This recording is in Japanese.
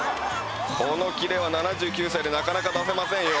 このキレは７９歳でなかなか出せませんよ